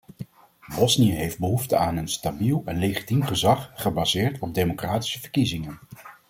Bosnië heeft behoefte aan een stabiel en legitiem gezag, gebaseerd op democratische verkiezingen.